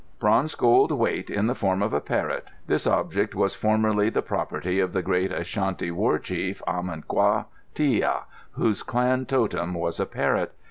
"Bronze gold weight in the form of a parrot. This object was formerly the property of the great Ashanti war Chief, Amankwa Tia, whose clan totem was a parrot.